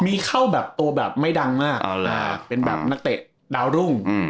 มีเข้าแบบไม่ดังมากเป็นนักเตะดาวรุ้ง